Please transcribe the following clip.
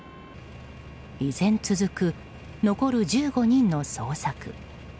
依然続く残る１５人の捜索。